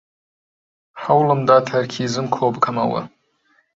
هەوڵم دا تەرکیزم کۆبکەمەوە.